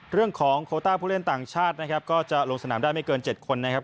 โคต้าผู้เล่นต่างชาตินะครับก็จะลงสนามได้ไม่เกิน๗คนนะครับ